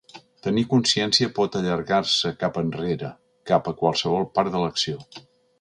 Tenir consciència pot allargar-se cap enrere, cap a qualsevol part de l'acció.